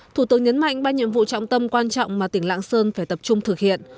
thủ tướng nhấn mạnh ba nhiệm vụ trọng tâm quan trọng mà tỉnh lạng sơn phải tập trung thực hiện